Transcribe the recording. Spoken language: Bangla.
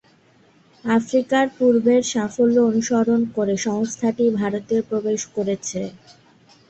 আফ্রিকার পূর্বের সাফল্য অনুসরণ করে সংস্থাটি ভারতে প্রবেশ করেছে।